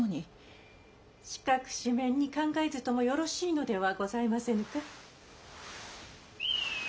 ・四角四面に考えずともよろしいのではございませぬか？